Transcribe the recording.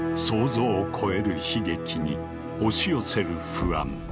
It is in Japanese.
想像を超える悲劇に押し寄せる不安。